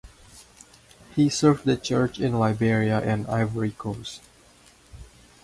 He served the church in Liberia and Ivory Coast.